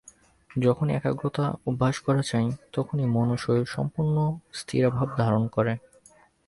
যখনই একাগ্রতা অভ্যাস করা যায়, তখনই মন ও শরীর সম্পূর্ণ স্থিরভাব ধারণ করে।